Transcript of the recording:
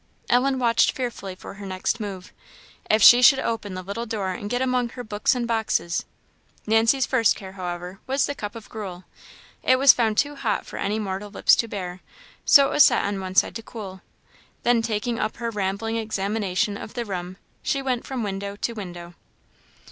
Ellen watched fearfully for her next move. If she should open the little door and get among her books and boxes! Nancy's first care, however, was the cup of gruel. It was found too hot for any mortal lips to bear, so it was set on one side to cool. Then taking up her rambling examination of the room, she went from window to window.